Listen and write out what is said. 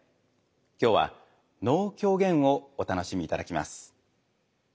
今日は能・狂言をお楽しみいただきます。